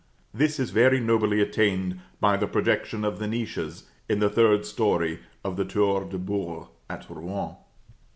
This is very nobly attained by the projection of the niches in the third story of the Tour de Beurre at Rouen.